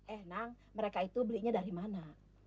eh nang mereka itu belinya dari mana